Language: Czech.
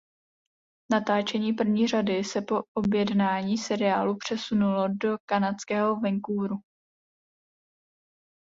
Natáčení první řady se po objednání seriálu přesunulo do kanadského Vancouveru.